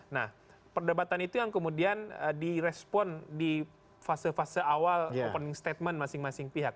nah perdebatan itu yang kemudian direspon di fase fase awal opening statement masing masing pihak